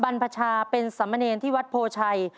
บรรพชาเป็นสำเนินที่วัดโพชัย